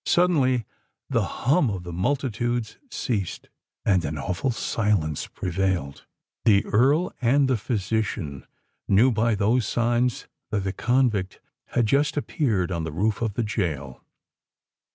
Suddenly the hum of the multitudes ceased; and an awful silence prevailed. The Earl and the physician knew by those signs that the convict had just appeared on the roof of the gaol.